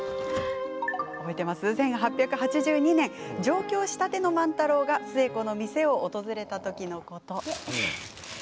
１８８２年上京したての万太郎が寿恵子の店を訪れた時のこと。